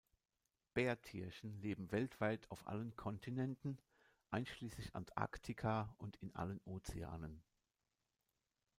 Bärtierchen leben weltweit auf allen Kontinenten einschließlich Antarktika und in allen Ozeanen.